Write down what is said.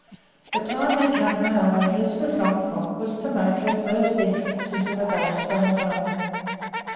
The time had now come when Lisbeth Longfrock was to make her first entrance into the vast unknown.